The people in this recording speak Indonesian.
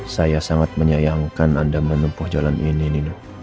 saya sangat menyayangkan anda menempuh jalan ini